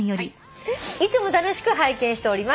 「いつも楽しく拝見しております」